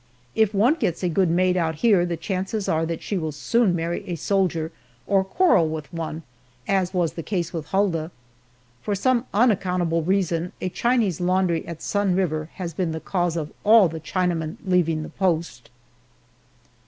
If one gets a good maid out here the chances are that she will soon marry a soldier or quarrel with one, as was the Case with Hulda. For some unaccountable reason a Chinese laundry at Sun River has been the cause of all the Chinamen leaving the post.